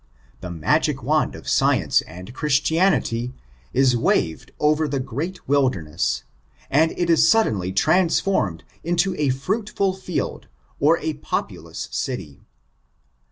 The ma^ wand of science and Christianity ia waived over the great wilderness, andi it is suddenly transfom^ into a fruitful field or a populous city.